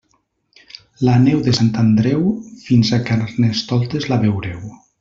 La neu de Sant Andreu fins a Carnestoltes la veureu.